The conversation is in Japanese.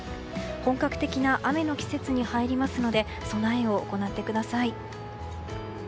本格的な雨の季節に入りますので備えを行ってください。